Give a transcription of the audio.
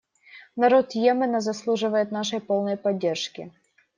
Народ Йемена заслуживает нашей полной поддержки.